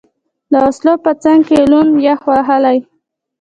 د وسلو په څنګ کې، لوند، یخ وهلی.